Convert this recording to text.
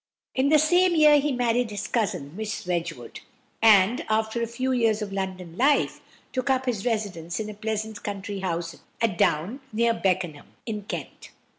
In the same year he married his cousin, Miss Wedgwood, and, after a few years of London life, took up his residence in a pleasant country house at Down, near Beckenham, in Kent.